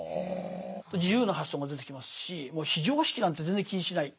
自由な発想も出てきますしもう非常識なんて全然気にしない。